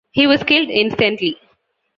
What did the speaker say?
He was killed instantly.